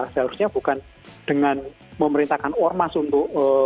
seharusnya bukan dengan memerintahkan ormas untuk